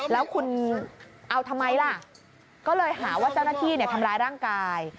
แล้วคุณเอาทำไมล่ะก็เลยหาว่าเจ้าหน้าที่ทำร้ายร่างกาย